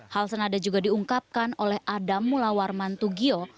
hal senada juga diungkapkan oleh adam mula warman tugio